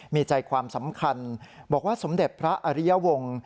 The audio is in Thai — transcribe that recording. มีใจความสำคัญบอกว่าสมเด็จพระอริยวงศ์